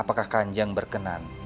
apakah kanceng berkenan